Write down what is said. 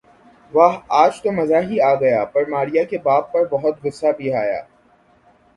واہ آج تو مزہ ہی آ گیا پر ماریہ کے باپ پر بہت غصہ بھی آیا